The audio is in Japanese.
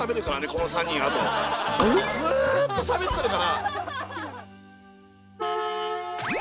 ずっとしゃべってるから。